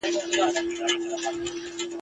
ته به راځې او زه به تللی یمه !.